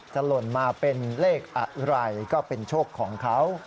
หล่นมาเป็นเลขอะไรก็เป็นโชคของเขา